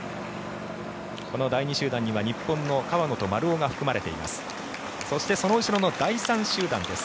この第２集団には日本の川野と丸尾が含まれています。